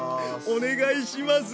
お願いします。